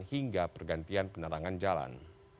hingga pergantian penerangan jalan